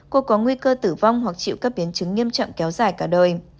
cô có nguy cơ tử vong hoặc chịu các biến chứng nghiêm trọng kéo dài cả đời